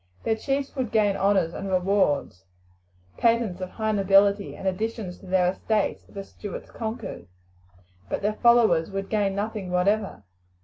Their chiefs would gain honours and rewards, patents of high nobility, and additions to their estates if the Stuarts conquered, but their followers would gain nothing whatever.